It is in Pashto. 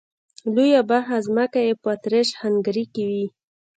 لويه برخه ځمکې یې په اتریش هنګري کې وې.